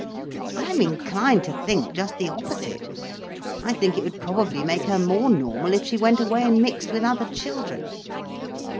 "I'm inclined to think just the opposite. I think it would probably make her more normal if she went away and mixed with other children."